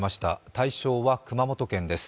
対象は熊本県です。